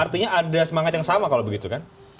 artinya ada semangat yang sama kalau begitu kan